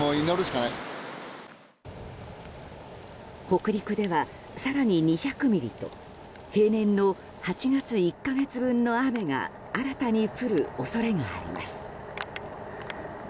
北陸では更に２００ミリと平年の８月１か月分の雨が新たに降る恐れがあります。